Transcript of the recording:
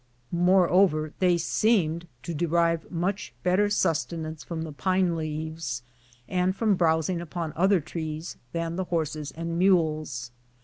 Moreover, they seemed to derive 250 THE ox. much better sustenance from the pine leaves, and from browsing upon other trees, than the horses and mules.